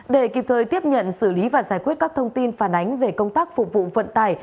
để kịp thời tiếp nhận xử lý và giải quyết các thông tin phản ánh về công tác phục vụ vận tải